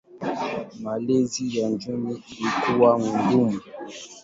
Malezi ya Jones ilikuwa ngumu.